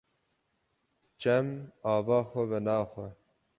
Çem ava xwe venaxwe.